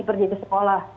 pergi ke sekolah